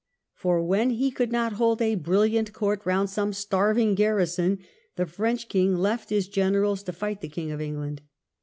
For when he could not hold a brilliant court round some starving garrison, the French king left his generals to fight the King of England.